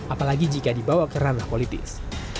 apalagi jika dibawa ke ranah politis